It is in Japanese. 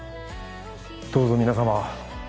どうぞ皆様